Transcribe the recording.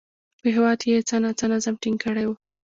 په هېواد کې یې څه ناڅه نظم ټینګ کړی و